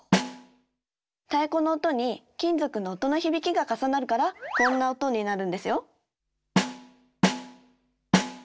太鼓の音に金属の音の響きが重なるからこんな音になるんですよ。